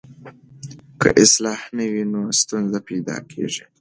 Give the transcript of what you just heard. که اصلاح نه وي نو ستونزه پیدا کېږي.